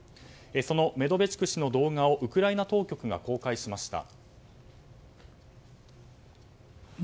そのメドベチュク氏の動画をウクライナ当局が公開しました。